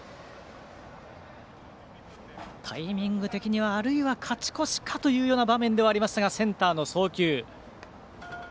タイミング的には、あるいは勝ち越しかという場面ではありましたがセンターの送球。